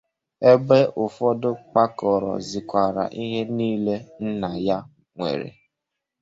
ebe ụfọdụ kpakọrọzịkwara ihe niile nna ha nwere